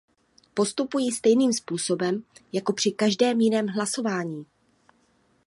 Postupuji stejným způsobem, jako při každém jiném hlasování.